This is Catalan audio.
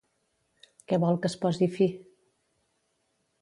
Què vol que es posi fi?